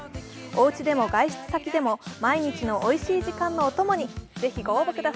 おうちでも外出先でも毎日のおいしい時間のお供に。